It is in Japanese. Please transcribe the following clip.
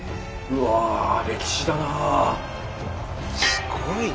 すごいな。